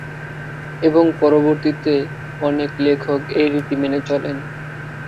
এবং পরবর্তীতে অনেক লেখক এই রীতি মেনে চলেন।